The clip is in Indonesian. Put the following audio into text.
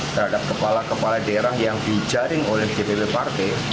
terhadap kepala kepala daerah yang dijaring oleh dpp partai